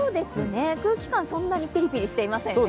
空気感、そんなにピリピリしていませんね。